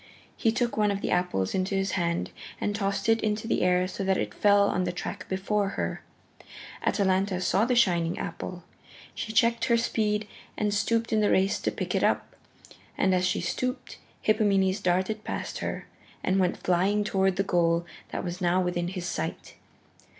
He took one of the apples into his hand and tossed it into the air so that it fell on the track before her. Atalanta saw the shining apple. She checked her speed and stooped in the race to pick it up. And as she stooped Hippomenes darted past her, and went flying toward the goal that now was within his sight.